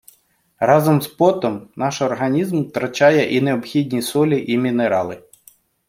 Разом із потом наш організм втрачає і необхідні солі і мінерали